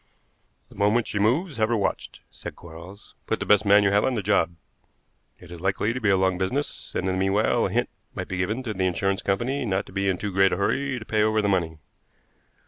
"The moment she moves have her watched," said Quarles. "Put the best man you have on to the job. It is likely to be a long business, and in the meanwhile a hint might be given to the insurance company not to be in too great a hurry to pay over the money."